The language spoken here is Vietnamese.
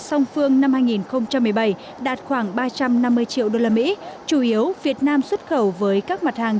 song phương năm hai nghìn một mươi bảy đạt khoảng ba trăm năm mươi triệu đô la mỹ chủ yếu việt nam xuất khẩu với các mặt hàng